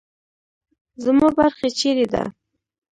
زما برخه چیرې ده؟